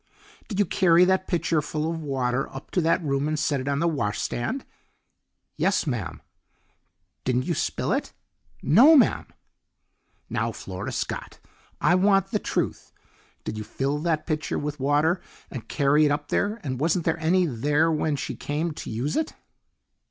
"Did you carry that pitcherful of water up to that room and set it on the washstand?" "Yes, ma'am." "Didn't you spill it?" "No, ma'am." "Now, Flora Scott, I want the truth! Did you fill that pitcher with water and carry it up there, and wasn't there any there when she came to use it?"